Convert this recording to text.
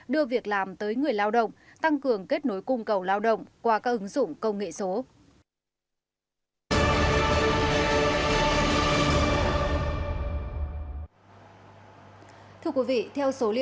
đưa việc làm tới người lao động tăng cường kết nối cung cầu lao động qua các ứng dụng công nghệ số